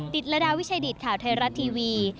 ติดระดาษวิชาดิตข่าวไทยรัตน์ทีวี